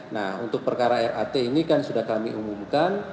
nah untuk perkara rat ini kan sudah kami umumkan